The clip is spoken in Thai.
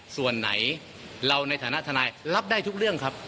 ส่วนไหนเราในฐานะทนายรับได้ทุกเรื่องครับ